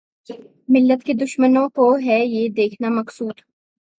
ملت کے دشمنوں کو ھے یہ دیکھنا مقصود